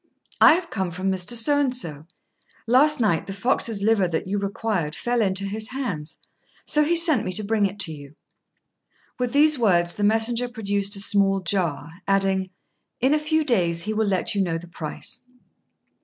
"I have come from Mr. So and so. Last night the fox's liver that you required fell into his hands; so he sent me to bring it to you." With these words the messenger produced a small jar, adding, "In a few days he will let you know the price."